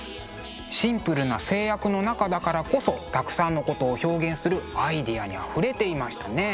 シンプルな制約の中だからこそたくさんのことを表現するアイデアにあふれていましたね。